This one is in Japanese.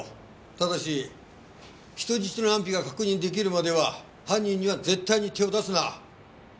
ただし人質の安否が確認出来るまでは犯人には絶対に手を出すな！